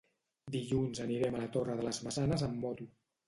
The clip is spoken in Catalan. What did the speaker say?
Dilluns anirem a la Torre de les Maçanes amb moto.